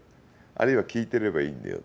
あるいは聞いてればいいんだよ。